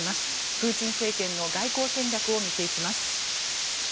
プーチン政権の外交戦略を見ていきます。